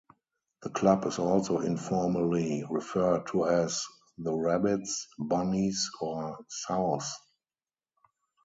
The club is also informally referred to as the "Rabbits", "Bunnies" or "Souths".